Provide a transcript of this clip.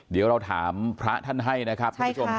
เดี๋ยวเราถามพระท่านให้นะครับ